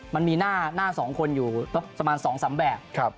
มันมีหน้า๒คนอยู่ประมาณ๒๓แบบ